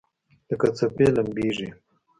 لکه څپې لمبیږي